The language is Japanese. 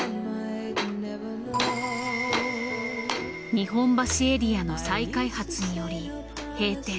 日本橋エリアの再開発により閉店。